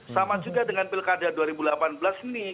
sama juga dengan pilkada dua ribu delapan belas nih